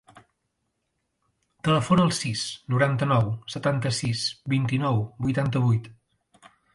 Telefona al sis, noranta-nou, setanta-sis, vint-i-nou, vuitanta-vuit.